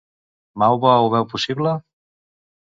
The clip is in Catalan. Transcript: Mauva ho veu possible?